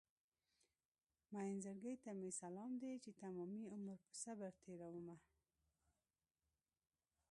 مين زړګي ته مې سلام دی چې تمامي عمر په صبر تېرومه